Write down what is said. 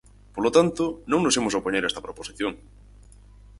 Polo tanto, non nos imos opoñer a esta proposición.